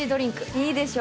いいでしょ。